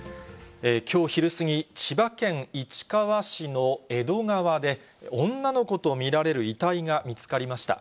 きょう昼過ぎ、千葉県市川市の江戸川で、女の子と見られる遺体が見つかりました。